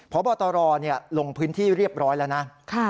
พบตรลงพื้นที่เรียบร้อยแล้วนะ